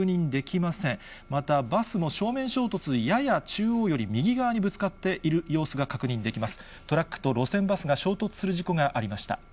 またバスも正面衝突やや中央寄り右側にぶつかっている様子が確認できます。